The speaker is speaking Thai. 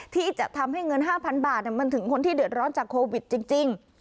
ที่จะทำให้เงิน๕๐๐บาทมันถึงคนที่เดือดร้อนจากโควิดจริง